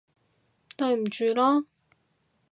對唔住囉